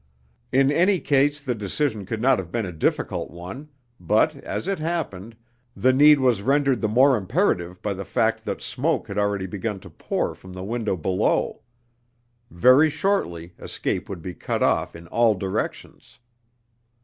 In any case the decision could not have been a difficult one, but, as it happened, the need was rendered the more imperative by the fact that smoke had already begun to pour from the window below. Very shortly escape would be cut off in all directions.